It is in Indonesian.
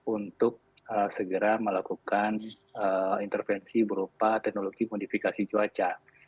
untuk segera melakukan intervensi berupa teknologi modifikasi cuaca